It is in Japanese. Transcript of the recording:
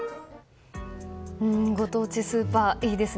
ご当地スーパーいいですね。